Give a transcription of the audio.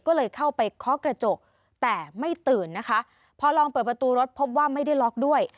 ก็เลยเข้าไปเคาะกระจกแต่ไม่ตื่นนะคะพอลองเปิดประตูรถพบว่าไม่ได้ล็อกด้วย